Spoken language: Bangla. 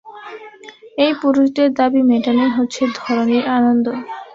এই পুরুষদের দাবি মেটানোই হচ্ছে ধরণীর আনন্দ।